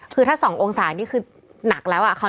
คือถ้า๒องศานี่คือหนักแล้ว